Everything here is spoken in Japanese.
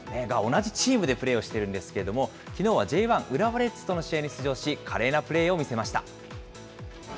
同じチームでプレーしているんですけれども、きのうはＪ１・浦和レッズとの試合に出場し、華麗なプレーを見せました。